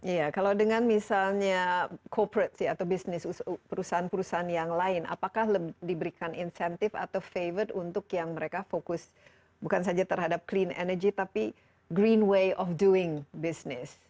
iya kalau dengan misalnya corporate atau bisnis perusahaan perusahaan yang lain apakah diberikan insentif atau favor untuk yang mereka fokus bukan saja terhadap clean energy tapi green way of doing business